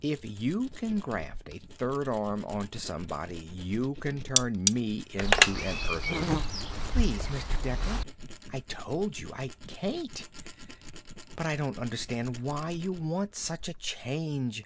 If you can graft a third arm onto somebody, you can turn me into an Earther." "Please, Mr. Dekker. I've told you I can't. But I don't understand why you want such a change.